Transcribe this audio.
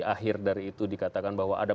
akhir dari itu dikatakan bahwa ada